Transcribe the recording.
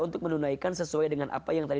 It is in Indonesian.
untuk menunaikan sesuai dengan apa yang tadi